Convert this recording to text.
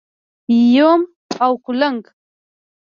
🪏 یوم او کولنګ⛏️